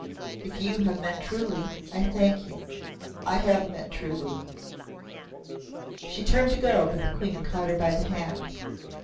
"If you have meant truly, I thank you." "I have meant truly." She turned to go, but the Queen caught her by the hand.